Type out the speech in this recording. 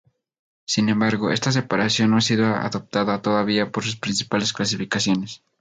Sin embargo, esta separación no ha sido adoptada todavía por las principales clasificaciones.